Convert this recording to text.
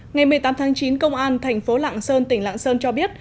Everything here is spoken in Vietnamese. ngày một mươi tám tháng chín công an tp lạng sơn tỉnh lạng sơn cho biết